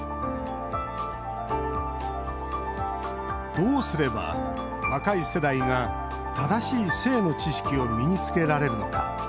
どうすれば、若い世代が正しい性の知識を身につけられるのか。